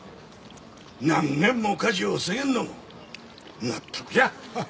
何軒も火事を防げんのも納得じゃ。